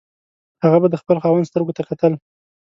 هغه به د خپل خاوند سترګو ته کتل.